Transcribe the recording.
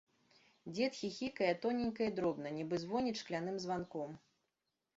Дзед хіхікае тоненька і дробна, нібы звоніць шкляным званком.